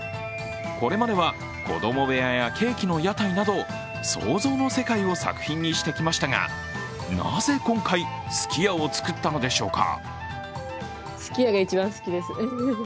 これまでは子供部屋やケーキの屋台など想像の世界を作品にしてきましたがなぜ今回、すき家を作ったのでしょうか。